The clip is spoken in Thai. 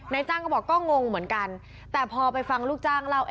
จ้างก็บอกก็งงเหมือนกันแต่พอไปฟังลูกจ้างเล่า